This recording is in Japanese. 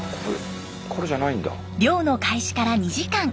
漁の開始から２時間。